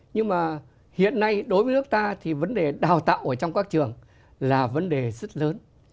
nhưng mà hiện nay đối với nước ta thì vấn đề đào tạo ở trong các trường là vấn đề rất lớn